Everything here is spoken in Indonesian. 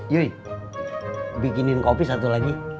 yuy bikinin kopi satu lagi